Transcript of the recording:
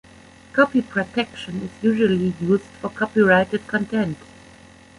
Copy protection is usually used for copyrighted content.